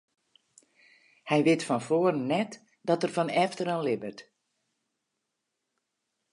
Hy wit fan foaren net dat er fan efteren libbet.